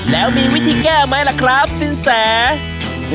แล้วมีวิธีแก้ไหมล่ะครับสินแส